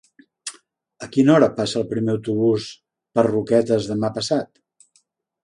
A quina hora passa el primer autobús per Roquetes demà passat?